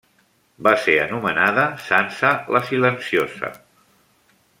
Va ser anomenada Sança la Silenciosa.